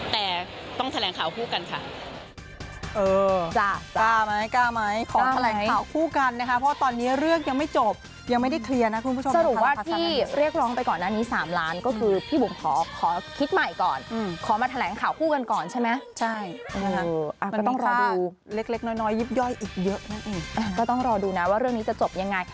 แต่ต้องแถลงข่าวคู่กันค่ะ